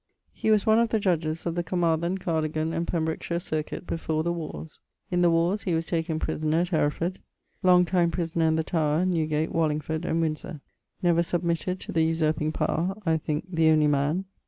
He was one of the judges of the Carmarthen, Cardigan, and Pembrokeshire circuit before the wars. In the warres he was taken prisoner at Hereford. Long time prisoner in the Tower, Newgate, Wallingford, and Windsore. Never submitted to the usurping power (I thinke, the only man).